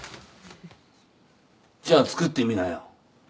じゃあ作ってみなよ。